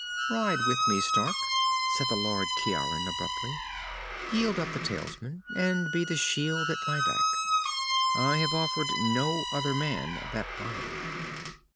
"Ride with me, Stark," said the Lord Ciaran abruptly. "Yield up the talisman, and be the shield at my back. I have offered no other man that honor."